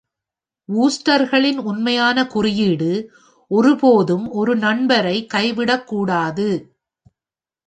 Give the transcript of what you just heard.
வூஸ்டர்களின் உண்மையான குறியீடு ஒருபோதும் ஒரு நண்பரை கைவிடக்கூடாது.